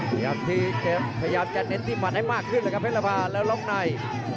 พยายามจัดเต็มที่หมัดให้มากขึ้นล่ะครับเพศรภาแล้วลองใน